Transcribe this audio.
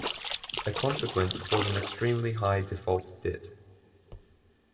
A consequence was an extremely high default debt.